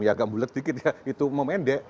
ya agak bulat dikit ya itu memendek